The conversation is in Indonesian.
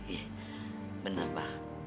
ih bener pak